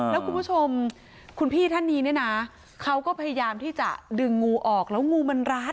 แล้วคุณผู้ชมคุณพี่ท่านนี้เนี่ยนะเขาก็พยายามที่จะดึงงูออกแล้วงูมันรัด